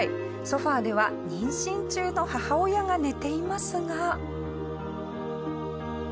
ソファでは妊娠中の母親が寝ていますが。